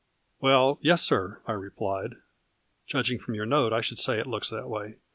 " "Well, yes sir," I replied, "judging from your note I should say it looks that way.